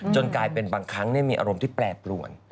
จนกลายเป็นบางครั้งเนี่ยมีอารมณ์ที่แปลกลวน